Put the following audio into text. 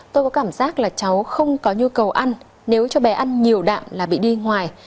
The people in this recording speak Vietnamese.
tôi có cảm giác là cháu không có nhu cầu ăn nếu cho bé ăn nhiều đạm là bị đi ngoài